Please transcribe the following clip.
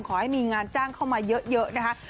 ขอให้มีงานจ้างเข้ามาเยอะนะคะ